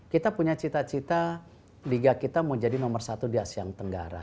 kita punya cita cita liga kita mau jadi nomor satu di asean tenggara